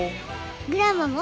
グランマも？